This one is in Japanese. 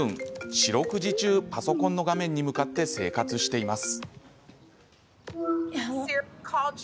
四六時中パソコンの画面に向かって生活しています。